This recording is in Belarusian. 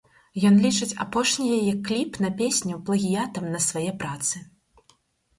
Ён лічыць апошні яе кліп на песню плагіятам на свае працы.